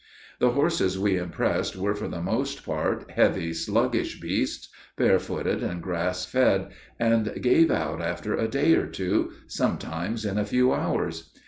The horses we impressed were for the most part heavy, sluggish beasts, barefooted and grass fed, and gave out after a day or two, sometimes in a few hours.